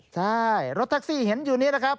ใช่รถแท็กซี่เห็นอยู่นี้นะครับ